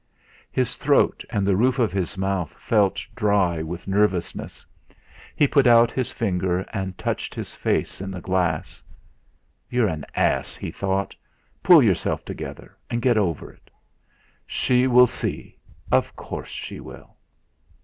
His throat and the roof of his mouth felt dry with nervousness; he put out his finger and touched his face in the glass. '.ou're an ass!' he thought. 'Pull yourself together, and get it over. She will see; of course she will!'